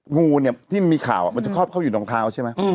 งูเนี่ยที่มีข่าวมันจะครอบเข้าอยู่รองเท้าใช่ไหม